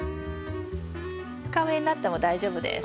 深植えになっても大丈夫です。